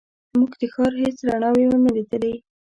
موږ د ښار هېڅ رڼاوې ونه لیدلې.